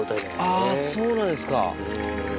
あぁそうなんですか。